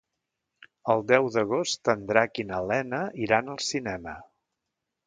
El deu d'agost en Drac i na Lena iran al cinema.